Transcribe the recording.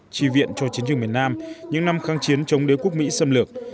tri viện cho chiến trường miền nam những năm kháng chiến chống đế quốc mỹ xâm lược